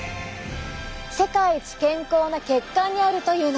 世界一健康な血管にあるというのです。